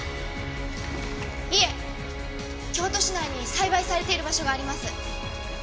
いえ京都市内に栽培されている場所があります。